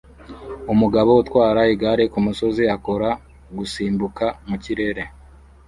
Umugabo utwara igare kumusozi akora gusimbuka mu kirere